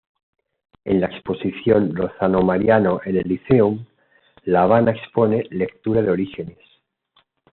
En la exposición "Lozano-Mariano" en el Lyceum, La Habana expone "Lectura de orígenes".